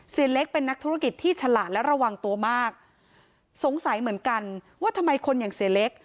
เสียเล็กเป็นนักธุรกิจที่ฉลาดและระวังตัวมากสงสัยเหมือนกันว่าทำไมคนอย่างเสียเล็ก